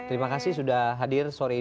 terima kasih sudah hadir sore ini